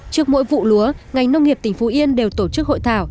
trước mỗi vụ lúa ngành nông nghiệp tỉnh phú yên đều tổ chức hội thảo